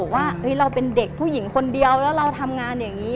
ว่าเราเป็นเด็กผู้หญิงคนเดียวแล้วเราทำงานอย่างนี้